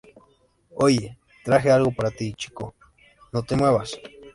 Oye, traje algo para ti, chico. ¡ No te muevas!